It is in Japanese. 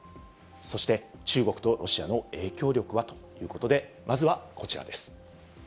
そして中国とロシアの影響力は？ということで、まずはこちらです。